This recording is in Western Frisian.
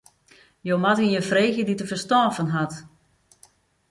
Jo moatte ien freegje dy't dêr ferstân fan hat.